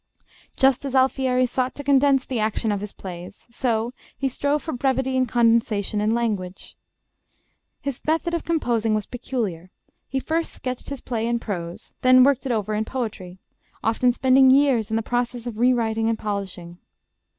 Just as Alfieri sought to condense the action of his plays, so he strove for brevity and condensation in language. His method of composing was peculiar. He first sketched his play in prose, then worked it over in poetry, often spending years in the process of rewriting and polishing.